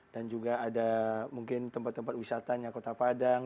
dan juga ada mungkin tempat tempat wisatanya kota padang